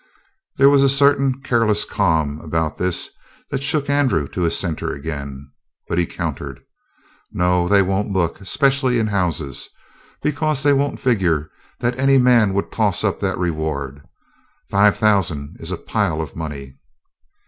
There was a certain careless calm about this that shook Andrew to his center again. But he countered: "No, they won't look specially in houses. Because they won't figure that any man would toss up that reward. Five thousand is a pile of money."